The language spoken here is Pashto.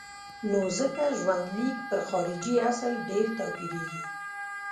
نو ځکه ژوندلیک پر خارجي اصل ډېر توپیرېږي.